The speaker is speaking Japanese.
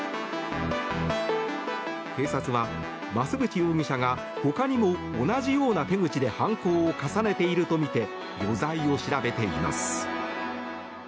警察は増渕容疑者が他にも同じような手口で犯行を重ねているとみて余罪を調べています。